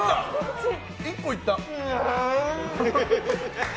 １個いった。